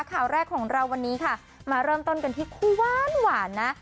ข่าวแรกของเราวันนี้ค่ะมาเริ่มต้นกันที่คู่หวานนะ